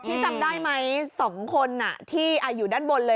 จำได้ไหม๒คนที่อยู่ด้านบนเลย